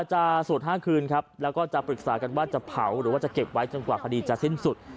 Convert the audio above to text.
จะศูนย์ห้างคืนและปรึกษากันว่าจะเผาหรือจะเก็บไว้จนกว่าคดีจะสิ้นสุด